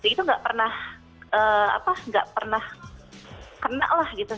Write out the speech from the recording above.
itu nggak pernah kena lah gitu